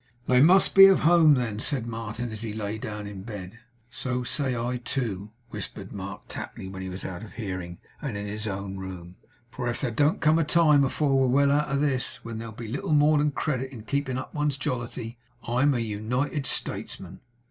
'They must be of home, then,' said Martin, as he lay down in bed. 'So I say, too,' whispered Mark Tapley, when he was out of hearing and in his own room; 'for if there don't come a time afore we're well out of this, when there'll be a little more credit in keeping up one's jollity, I'm a United Statesman!